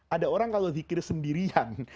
ada orang kalau zikir sendirian